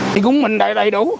thì cũng mình đầy đầy đủ